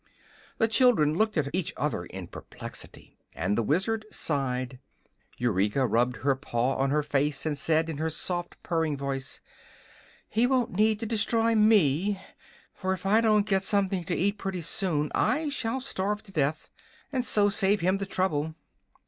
The children looked at each other in perplexity, and the Wizard sighed. Eureka rubbed her paw on her face and said in her soft, purring voice: "He won't need to destroy me, for if I don't get something to eat pretty soon I shall starve to death, and so save him the trouble."